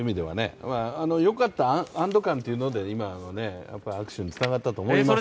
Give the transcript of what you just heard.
よかった安堵感というので、今の握手につながったと思います。